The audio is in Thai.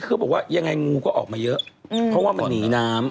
คือเขาบอกว่ายังไงงูก็ออกมาเยอะเพราะว่ามันหนีน้ำ